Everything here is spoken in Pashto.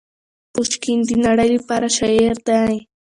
پوشکین د نړۍ لپاره شاعر دی.